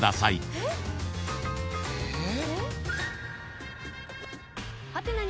えっえっ。